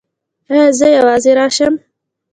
ایا زه یوازې راشم؟